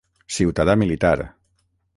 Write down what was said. Ciutadà militar.